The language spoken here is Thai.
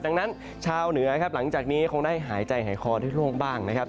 ดังนั้นชาวเหนือครับหลังจากนี้คงได้หายใจหายคอที่โล่งบ้างนะครับ